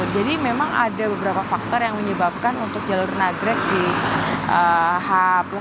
jadi memang ada beberapa faktor yang menyebabkan untuk jalur nagreg di h plus tiga ini masih terlihat ramai begitu